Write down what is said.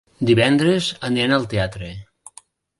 Divendres aniran al teatre.